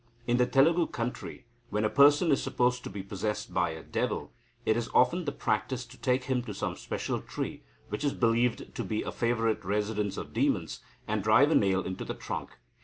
In the Telugu country, when a person is supposed to be possessed by a devil, it is often the practice to take him to some special tree, which is believed to be a favourite residence of demons, and drive a nail into the trunk.